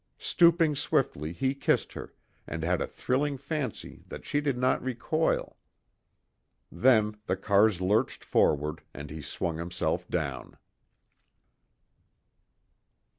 Stooping swiftly, he kissed her, and had a thrilling fancy that she did not recoil; then the cars lurched forward, and he swung himself down.